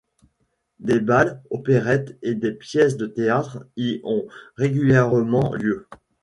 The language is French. Des bals, opérettes et des pièces de théâtre y ont régulièrement lieu.